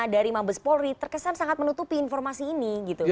dari mabes polri terkesan sangat menutupi informasi ini gitu